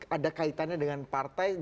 ada kaitannya dengan partai